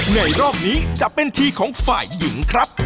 รอบนี้จะเป็นทีของฝ่ายหญิงครับ